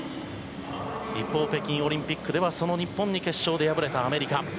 一方、北京オリンピックではその日本に決勝で敗れたアメリカ。